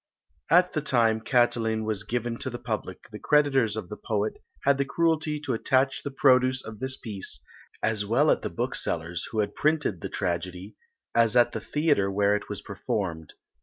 At the time Catiline was given to the public, the creditors of the poet had the cruelty to attach the produce of this piece, as well at the bookseller's, who had printed the tragedy, as at the theatre where it was performed.